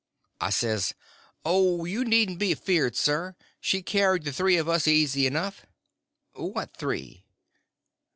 I says: "Oh, you needn't be afeard, sir, she carried the three of us easy enough." "What three?"